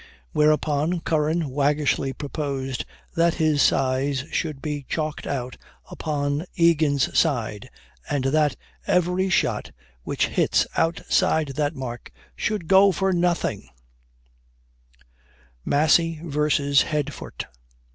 Whereupon, Curran waggishly proposed that his size should be chalked out upon Egan's side, and that "every shot which hits outside that mark should go for nothing!" MASSY VERSUS HEADFORT.